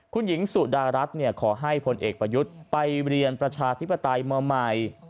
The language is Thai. คุณหญิงสุดารัฐขอให้พลเอกประยุทธ์ไปเรียนประชาธิปไตยมาใหม่